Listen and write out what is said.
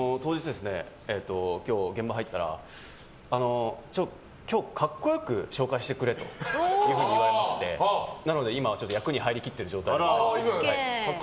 今日現場入ったら今日、格好良く紹介してくれと言われましてなので、今は役に入りきっている状態です。